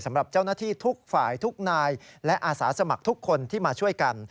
สำหรับเจ้าหน้าที่ทุกฝ่ายทุกนายและอาสาสมัครทุกคนที่มาช่วยกัน